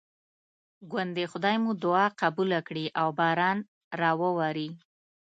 ګوندې خدای مو دعا قبوله کړي او باران راواوري.